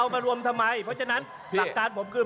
เพราะฉนั้นหลักการผมก็ครึ่ง